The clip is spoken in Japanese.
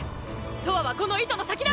とわはこの糸の先だ！